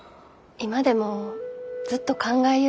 今でもずっと考えゆうがよ。